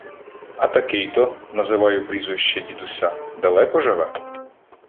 — А такий-то, — називаю прізвище дідуся, — далеко живе?